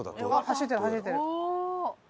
走ってる走ってる。